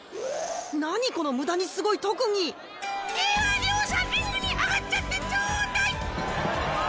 何この無駄にすごい特技？では両者リングに上がっちゃってちょうだい！